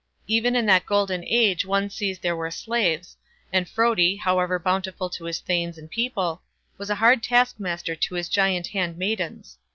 Even in that golden age one sees there were slaves, and Frodi, however bountiful to his thanes and people, was a hard task master to his giant hand maidens.